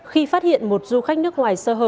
khi phát hiện một du khách nước ngoài sơ hở